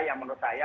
yang menurut saya